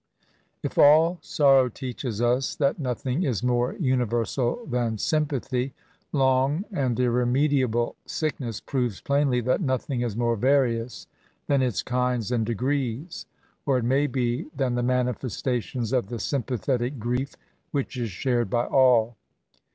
If all sorrow teaches us that nothing is more uniyersal than sympathy, long and irremediable sickness proves plainly, that nothing is more various than its kinds and degrees ; or, it may be, tjian the manifestations of the sympathetic grief which is shared by all.